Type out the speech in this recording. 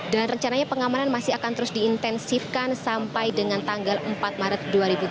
dan rencananya pengamanan masih akan terus diintensifkan sampai dengan tanggal empat maret dua ribu tujuh belas